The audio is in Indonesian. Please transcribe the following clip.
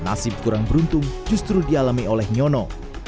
nasib kurang beruntung justru dialami oleh nyono